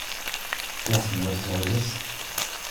Bless me, what's all this?